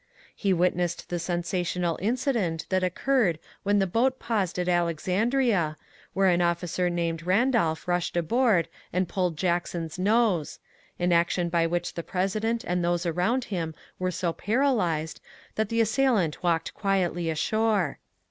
He wit nessed the sensational incident that occurred when the boat paused at Alexandria, where an officer named Bandolph rushed aboard and pulled Jackson's nose, — an action by which the President and those around him were so paralyzed that the assailant walked quietly ashore.